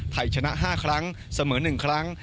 ไทยชนะ๕ครั้งเสมอ๑ครั้ง